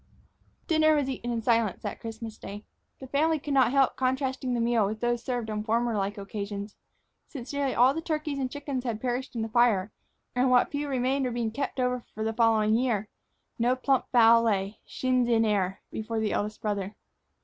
Dinner was eaten in silence that Christmas day. The family could not help contrasting the meal with those served on former like occasions. Since nearly all the turkeys and chickens had perished in the fire, and what few remained were being kept over for the following year, no plump fowl lay, shins in air, before the eldest brother.